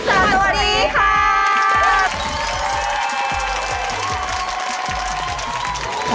สวัสดีครับ